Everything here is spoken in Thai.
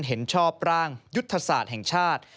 เห็นชอบร่างยุทธศาสตร์แห่งชาติ